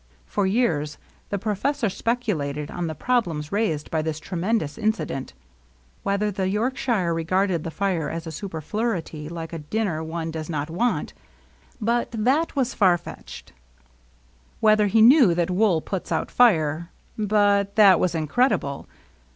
For years the professor speculated on the pro blems raised by this tremendous incident. Whether the Yorkshire regarded the fire as a superfluity, like a dinner one does not want, — but that was far fetched. Whether he knew that wool puts out fire, — but that was incredible.